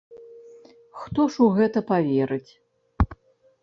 Хто ж у гэта паверыць?